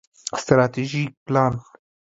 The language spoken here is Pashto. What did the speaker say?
ستراتیژیک پلان